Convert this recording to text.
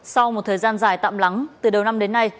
sau một thời gian dài tạm lắng từ đầu năm đến nay